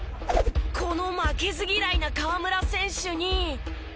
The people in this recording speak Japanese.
この負けず嫌いな河村選手に。